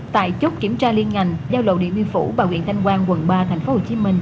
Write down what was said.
tại chốt kiểm tra liên ngành giao lộ địa biên phủ bảo viện thanh quan quận ba tp hcm